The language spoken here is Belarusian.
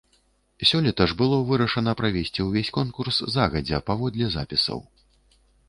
Сёлета ж было вырашана правесці ўвесь конкурс загадзя паводле запісаў.